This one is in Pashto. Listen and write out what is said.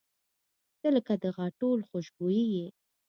• ته لکه د غاټول خوشبويي یې.